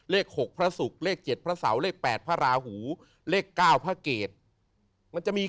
เลข๖พระศุกร์เลข๗พระเสาเลข๘พระราหูเลข๙พระเกตมันจะมี